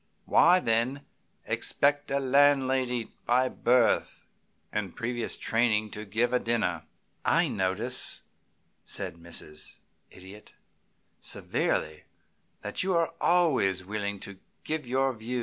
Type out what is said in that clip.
Why, then, expect a landlady, by birth and previous training, to give a dinner?" "I notice," said Mrs. Idiot, severely, "that you are always willing to give your views!"